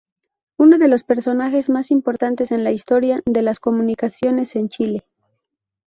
Uno de los personajes más importantes en la historia de las comunicaciones en Chile.